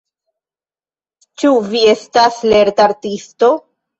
Ĉu vi estas lerta artisto?